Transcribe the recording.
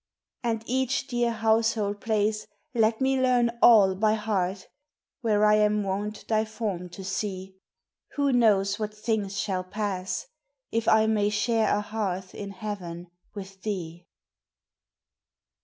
And each dear household place, let me learn all By heart, where I am wont thy form to see. Who knows what things shall pass? If I may share A hearth in heaven with thee?